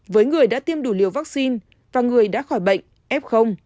với người đã tiêm đủ liều vaccine và người đã khỏi bệnh f